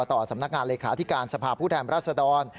ต่อสำนักงานเลขาธิการสภาพผู้แทนรัศดร